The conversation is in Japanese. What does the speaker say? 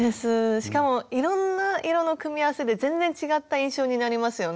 しかもいろんな色の組み合わせで全然違った印象になりますよね。